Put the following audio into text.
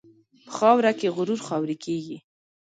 په خاوره کې غرور خاورې کېږي.